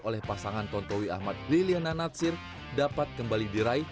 oleh pasangan tontowi ahmad liliana natsir dapat kembali diraih